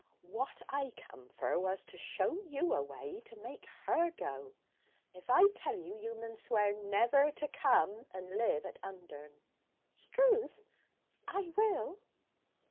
'What I come for was to show you a way to make her go. If I tell you, you mun swear never to come and live at Undern.' ''Struth I will!'